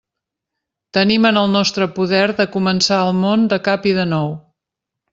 Tenim en el nostre poder de començar el món de cap i de nou.